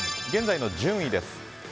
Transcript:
現在の順位です。